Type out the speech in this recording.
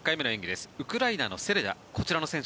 ウクライナのセレダ。